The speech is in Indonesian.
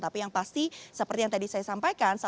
tapi yang pasti seperti yang tadi saya sampaikan